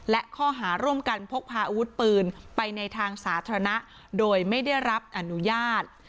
และข้อหาร่วมกันพกพาอาวุธปืนไปในทางสาธารณะโดยไม่ได้รับอนุญาต